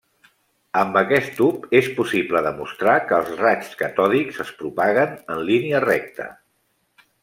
Amb aquest tub és possible demostrar que els raigs catòdics es propaguen en línia recta.